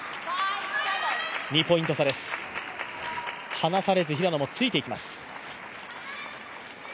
離されず平野もついていきます。